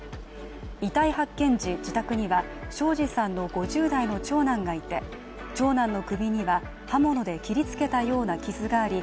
遺体発見時、自宅には庄司さんの５０代の長男がいて長男の首には刃物で切りつけたような傷があり